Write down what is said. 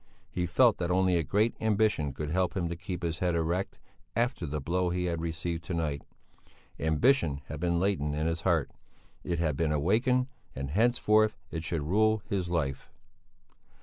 He felt that only a great ambition could help him to keep his head erect after the blow he had received to night. Ambition had been latent in his heart; it had been awakened and henceforth it should rule his life.